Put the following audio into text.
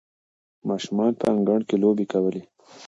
ماشومان په انګړ کې لوبې کولې.